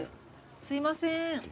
すいません。